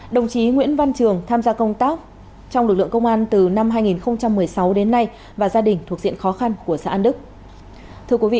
đồng chí nguyễn văn trường tham gia công tác trong lực lượng công an từ năm hai nghìn một mươi sáu đến nay và gia đình thuộc diện khó khăn của xã an đức